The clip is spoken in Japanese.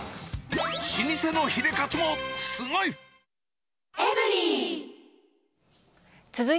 老舗のヒレかつもすごい！